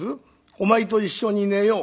「お前と一緒に寝よう」。